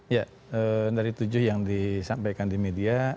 ya dari tujuh yang disampaikan di media